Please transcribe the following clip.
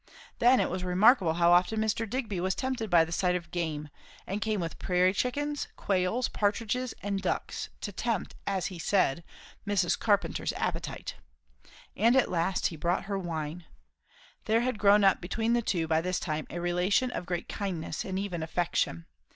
Then it was remarkable how often Mr. Digby was tempted by the sight of game; and came with prairie chickens, quails, partridges and ducks, to tempt, as he said, Mrs. Carpenter's appetite. And at last he brought her wine. There had grown up between the two, by this time, a relation of great kindness and even affection.